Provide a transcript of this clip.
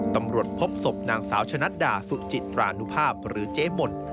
ตำรวจพบศพนางสาวชะนัดดาสุจิตรานุภาพหรือเจ๊มน